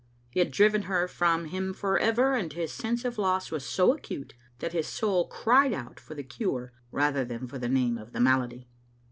He had driven her from him for ever, and his sense of loss was so acute that his soul cried out for the cure rather than for the name of th# malady.